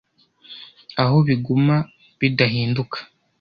aho biguma bidahinduka